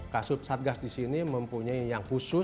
kasus satgas di sini mempunyai perusahaan yang sangat berharga